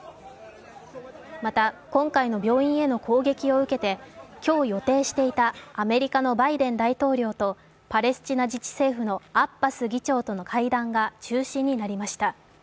また、今回の病院への攻撃を受けて今日予定していたアメリカのバイデン大統領とパレスチナ自治政府のアッバス議長との会談が中止になりました。